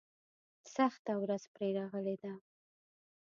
سخته ورځ پرې راغلې ده.